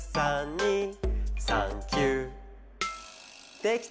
できた！